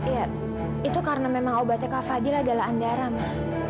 ya itu karena memang obatnya kak fadil adalah andaram